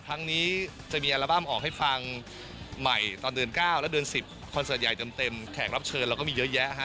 ครั้งนี้จะมีอัลบั้มออกให้ฟังใหม่ตอนเดือน๙และเดือน๑๐คอนเสิร์ตใหญ่เต็มแขกรับเชิญเราก็มีเยอะแยะฮะ